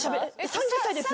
３０歳です。